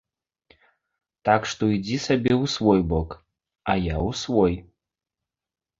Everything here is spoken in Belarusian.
Так што ідзі сабе ў свой бок, а я ў свой.